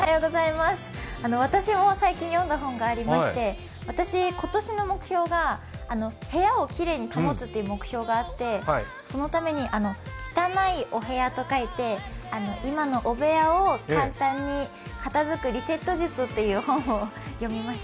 私も最近読んだ本がありまして今年の目標が部屋をきれいに保つという目標があってそのために「汚いお部屋」と書いて、今の汚部屋を簡単に片づくリセット術という本を読みました。